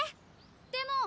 でも。